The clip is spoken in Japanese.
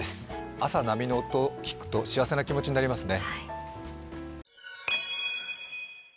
朝、波の音を聞くと、幸せな気持ちになりますね。